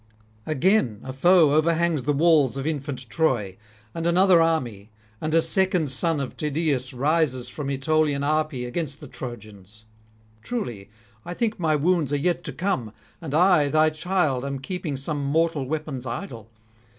Again a foe overhangs the walls of infant Troy; and another army, and a second son of Tydeus rises from Aetolian Arpi against the Trojans. Truly I think my wounds are yet to come, and I thy child am keeping some mortal weapons idle.